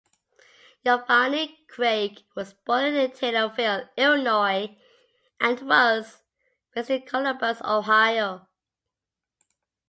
Yvonne Craig was born in Taylorville, Illinois, and was raised in Columbus, Ohio.